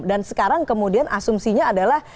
dan sekarang kemudian asumsinya adalah